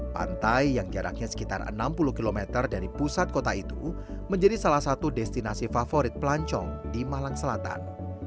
pantai yang jaraknya sekitar enam puluh km dari pusat kota itu menjadi salah satu destinasi favorit pelancong di malang selatan